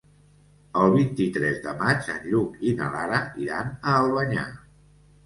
El vint-i-tres de maig en Lluc i na Lara iran a Albanyà.